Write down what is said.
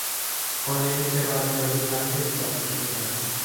خانهای که برفراز تپهای ساخته شده است